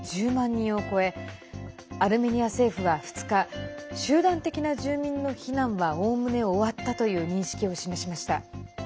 人を超えアルメニア政府は２日集団的な住民の避難はおおむね終わったという認識を示しました。